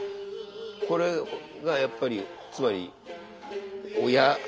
これがやっぱりつまり親なんですね。